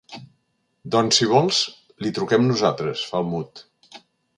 Doncs si vols, li truquem nosaltres —fa el Mud.